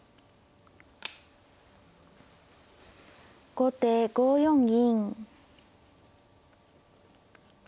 後手５四銀。